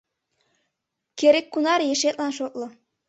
Керек-кунар ешетлан шотло